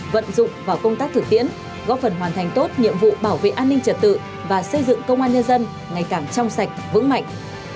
vận dụng vào công tác thực tiễn góp phần hoàn thành tốt nhiệm vụ bảo vệ an ninh trật tự và xây dựng công an nhân dân ngày càng trong sạch vững mạnh